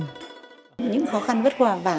những khó khăn vất vả